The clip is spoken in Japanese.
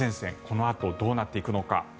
このあとどうなっていくのか。